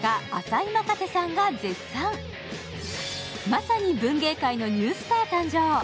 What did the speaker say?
まさに文芸界のニュースターが誕生。